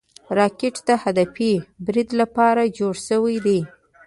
راکټ د هدفي برید لپاره جوړ شوی دی